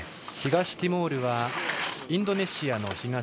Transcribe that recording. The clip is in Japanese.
東ティモールはインドネシアの東